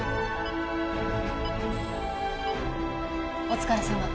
お疲れさま。